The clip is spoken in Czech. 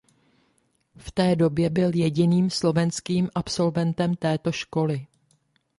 V té době byl jediným slovenským absolventem této školy.